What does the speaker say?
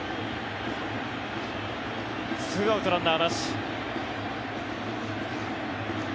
２アウト、ランナーなし。